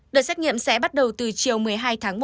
đợt xét nghiệm sẽ bắt đầu từ chiều một mươi hai tháng một